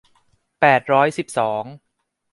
แปดร้อยสิบสอง